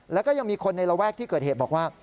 แล้วก็ยังมีคนในระแวกที่เกิดเหตุบอกว่า